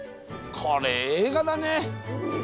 これ映画だね。